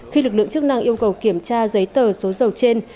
khi lực lượng chức năng yêu cầu kiểm tra giấy tờ số dầu trên